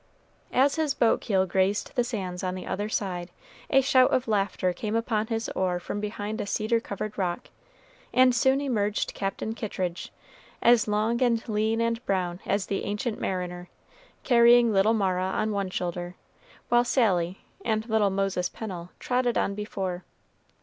As his boat keel grazed the sands on the other side, a shout of laughter came upon his oar from behind a cedar covered rock, and soon emerged Captain Kittridge, as long and lean and brown as the Ancient Mariner, carrying little Mara on one shoulder, while Sally and little Moses Pennel trotted on before.